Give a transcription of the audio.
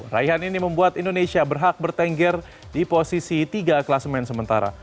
raihan ini membuat indonesia berhak bertengger di posisi tiga kelas main sementara